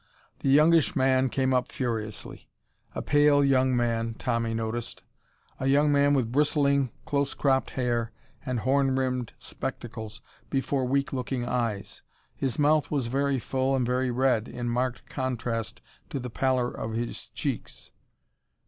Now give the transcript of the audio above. The youngish man came up furiously. A pale young man, Tommy noticed. A young man with bristling, close cropped hair and horn rimmed spectacles before weak looking eyes. His mouth was very full and very red, in marked contrast to the pallor of his cheeks.